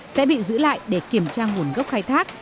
sẽ bị giữ lại để kiểm tra nguồn gốc khai thác